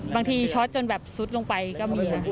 บางทีช็อตจนแบบซุดลงไปก็มีค่ะ